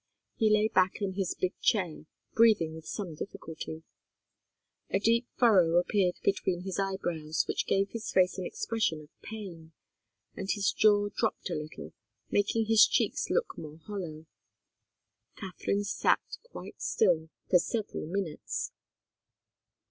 He lay back in his big chair, breathing with some difficulty. A deep furrow appeared between his eyebrows, which gave his face an expression of pain, and his jaw dropped a little, making his cheeks look more hollow. Katharine sat quite still for several minutes.